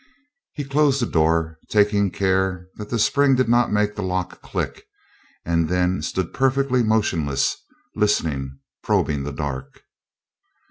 He closed the door, taking care that the spring did not make the lock click, and then stood perfectly motionless, listening, probing the dark.